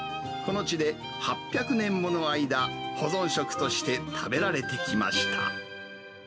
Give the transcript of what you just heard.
この地で８００年もの間、保存食として食べられてきました。